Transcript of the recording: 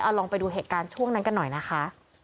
ลองไปดูเหตุการณ์ช่วงนั้นกันหน่อยนะคะ